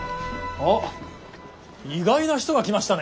あっ意外な人が来ましたね。